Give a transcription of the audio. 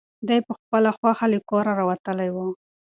دی په خپله خوښه له کوره راوتلی و.